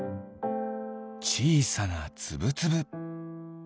ちいさなつぶつぶ。